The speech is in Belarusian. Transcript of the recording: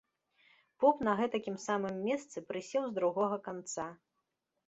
Поп на гэтакім самым месцы прысеў з другога канца.